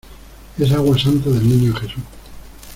¡ es agua santa del Niño Jesús!